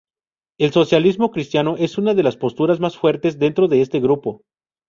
El socialismo cristiano es una de las posturas más fuertes dentro de este grupo.